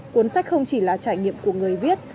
cuốn sách không chỉ là trải nghiệm của người viết